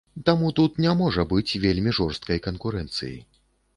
Таму, тут не можа быць вельмі жорсткай канкурэнцыі.